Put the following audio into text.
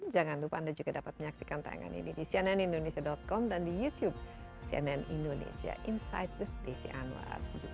jangan lupa anda juga dapat menyaksikan tayangan ini di cnnindonesia com dan di youtube cnn indonesia insight with desi anwar